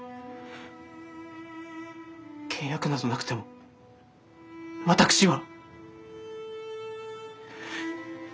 契約などなくても私は。